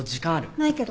ないけど。